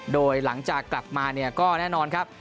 โดยหลังจากกลับมาเนี่ยก็แน่นอนครับ